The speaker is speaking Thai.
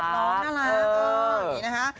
ดีกับน้องน่ารัก